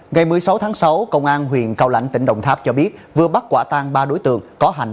ngày một mươi sáu tháng sáu công an huyện cao lãnh tỉnh đồng tháp cho biết vừa bắt quả tang ba đối tượng có hành